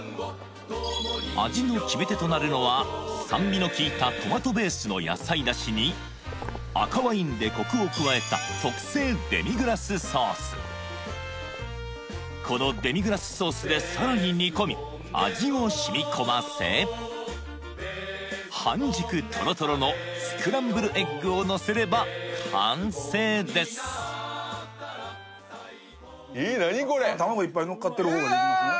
味の決め手となるのは酸味のきいたトマトベースの野菜出汁に赤ワインでコクを加えたこのデミグラスソースでさらに煮込み味を染み込ませ半熟とろとろのスクランブルエッグをのせれば完成です卵いっぱいのっかってる方からいきますね